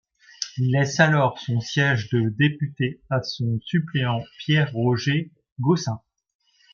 Il laisse alors son siège de député à son suppléant, Pierre-Roger Gaussin.